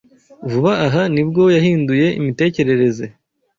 Vuba aha ni bwo yahinduye imitekerereze.